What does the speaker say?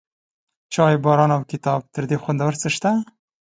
چای، باران، او کتاب، تر دې خوندور څه شته؟